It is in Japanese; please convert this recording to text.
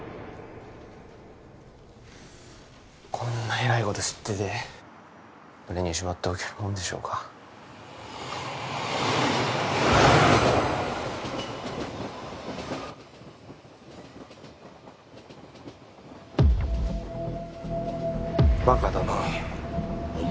こんなえらいこと知ってて☎胸にしまっておけるもんでしょうかバカだなお前